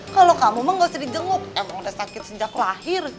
kalau kamu emang gak usah di jenguk emang udah sakit sejak lahir